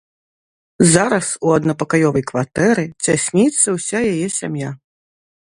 Зараз у аднапакаёвай кватэры цясніцца ўся яе сям'я.